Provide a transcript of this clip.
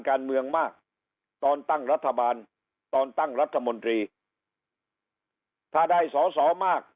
การเมืองมากตอนตั้งรัฐบาลตอนตั้งรัฐมนตรีถ้าได้สอสอมาก